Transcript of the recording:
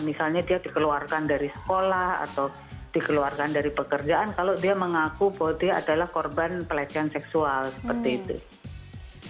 misalnya dia dikeluarkan dari sekolah atau dikeluarkan dari pekerjaan kalau dia mengaku bahwa dia adalah korban pelecehan seksual seperti itu